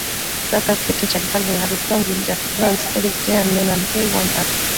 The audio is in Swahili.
Rascal Skepta Charli Calvin Harris Stormzy Jax Jones Felix Jaehn Nena Kay One Alex